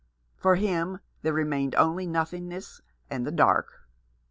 For him there remained only nothingness and the dark.